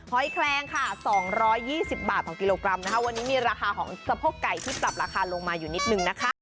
อยแคลงค่ะ๒๒๐บาทต่อกิโลกรัมนะคะวันนี้มีราคาของสะโพกไก่ที่ปรับราคาลงมาอยู่นิดนึงนะคะ